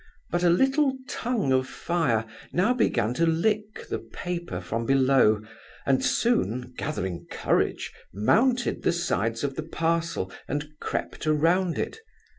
But a little tongue of fire now began to lick the paper from below, and soon, gathering courage, mounted the sides of the parcel, and crept around it.